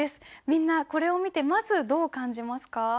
みんなこれを見てまずどう感じますか？